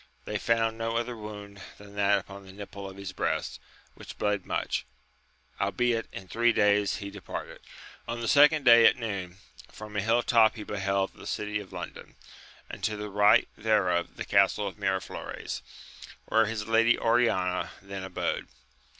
They found no other wound than that upon the nipple of his breast, which bled much ; howbeib in three days he departed. On the second day at noon, from a hill top he beheld the city of London, and, to the right there AMADIS OF GAUL. 25 of, the castle of Miraflores, where his lady Oriana then abode.